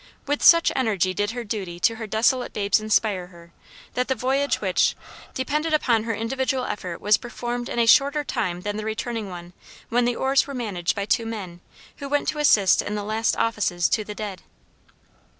With such energy did her duty to her desolate babes inspire her, that the voyage which, depended upon her individual effort was performed in a shorter time than the returning one, when the oars were managed by two men, who went to assist in the last offices to the dead.